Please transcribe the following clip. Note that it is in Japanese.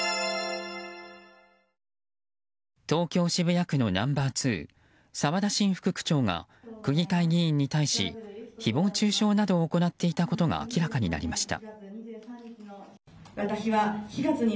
東京・渋谷区のナンバー２澤田伸副区長が区議会議員に対し誹謗中傷などを行っていたことが明らかになりました。